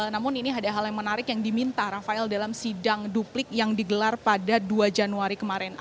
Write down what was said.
namun ini ada hal yang menarik yang diminta rafael dalam sidang duplik yang digelar pada dua januari kemarin